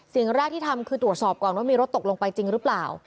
สิ่งแรกที่ทำคือตรวจสอบก่อนว่ามีรถตกลงไปจริงหรือเปล่า